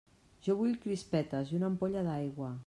Jo vull crispetes i una ampolla d'aigua!